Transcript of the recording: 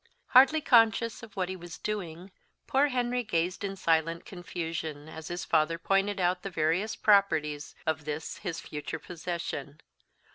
Hardly conscious of what he was doing, poor Henry gazed in silent confusion, as his father pointed out the various properties of this his future possession.